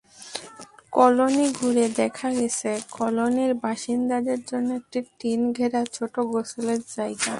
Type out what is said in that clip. Colony ঘুরে দেখা গেছে, কলোনির বাসিন্দাদের জন্য একটি টিন ঘেরা ছোট গোসলের জায়গা।